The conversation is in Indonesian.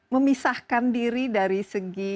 memisahkan diri dari segi